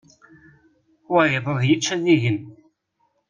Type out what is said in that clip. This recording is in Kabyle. Wayeḍ ad yečč ad igen.